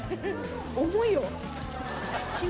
重いよ。